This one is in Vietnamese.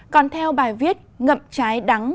còn theo bài viết ngậm trái đắng